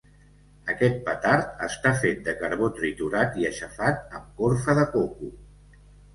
Aquest petard està fet de carbó triturat i aixafat amb corfa de coco.